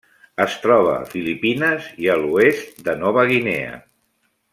Es troba a Filipines i a l'oest de Nova Guinea.